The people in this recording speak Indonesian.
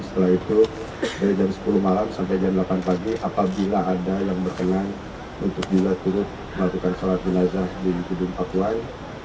setelah itu dari jam sepuluh malam sampai jam delapan pagi apabila ada yang berkenan untuk bila turut melakukan sholat jenazah di gedung pakuan